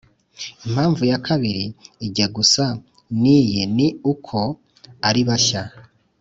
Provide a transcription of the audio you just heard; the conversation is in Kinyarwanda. Impamvu ya kabiri ijya gusa n’iyi ni uko aribashya